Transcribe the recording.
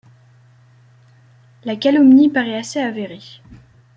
La calomnie parait assez avérée.